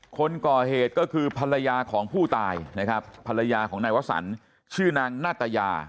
คนก่อเหตุก็คือผลายของผู้ตายผลายย่านัยวะสัญชื่อนามน่ะตะยา